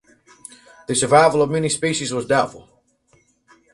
The survival of many species was doubtful.